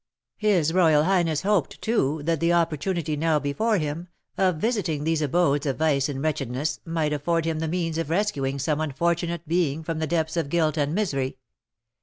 His royal highness hoped, too, that the opportunity now before him, of visiting these abodes of vice and wretchedness, might afford him the means of rescuing some unfortunate being from the depths of guilt and misery.